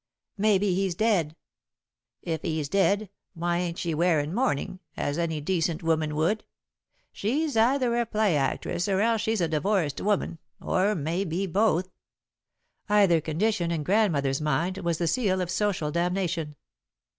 "Maybe he's dead." "If he's dead, why ain't she wearin' mourning, as any decent woman would? She's either a play actress, or else she's a divorced woman, or maybe both." Either condition, in Grandmother's mind, was the seal of social damnation.